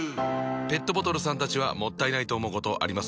ペットボトルさんたちはもったいないと思うことあります？